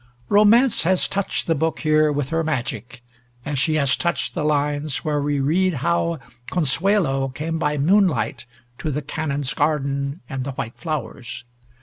Romance has touched the book here with her magic, as she has touched the lines where we read how Consuelo came by moonlight to the Canon's garden and the white flowers.